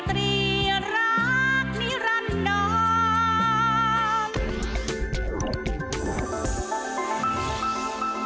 ดีใจมากเลย